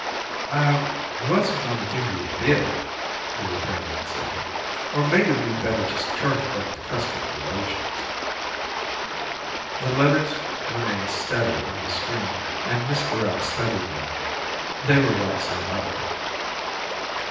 "I was going to give you a bill," the repairman said. "Only maybe we better just charge it up to customer relations." The letters remained steady on the screen, and Mr. Rapp studied them. They were right side up.